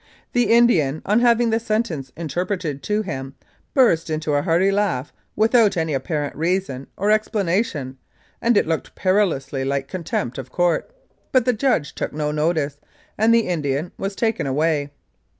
The Indian, on having the sentence interpreted to him, burst into a hearty laugh without any apparent reason or explana tion, and it looked perilously like contempt of court, but the judge took no notice, and the Indian was taken away.